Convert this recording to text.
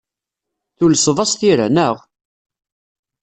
Tulseḍ-as tira, naɣ?